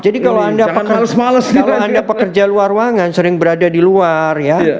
jadi kalau anda pekerja luar ruangan sering berada di luar ya